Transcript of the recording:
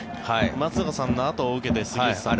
松坂さんのあとを受けて杉内さんが。